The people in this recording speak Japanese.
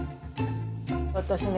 私ね